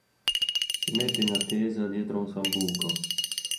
Si mette in attesa dietro un sambuco.